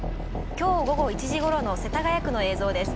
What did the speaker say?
今日午後１時ごろの世田谷区の映像です。